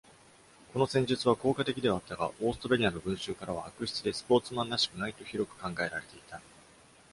この戦術は効果的ではあったが、オーストラリアの群衆からは悪質でスポーツマンらしくないと広く考えられていた。